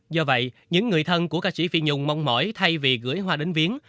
do vậy những người thân của ca sĩ phi nhung mong mỏi thay vì gửi hoa đến viến